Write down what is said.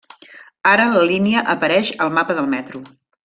Ara la línia apareix al mapa del metro.